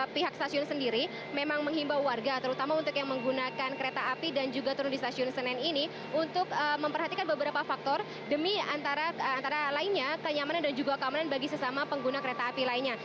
pihak stasiun sendiri memang menghimbau warga terutama untuk yang menggunakan kereta api dan juga turun di stasiun senen ini untuk memperhatikan beberapa faktor demi antara lainnya kenyamanan dan juga keamanan bagi sesama pengguna kereta api lainnya